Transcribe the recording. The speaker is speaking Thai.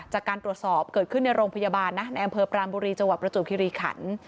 จากการตรวจสอบเกิดขึ้นในโรงพยาบาลนะในอำเภอปรามบุรีจังหวัดประจวบคิริขัน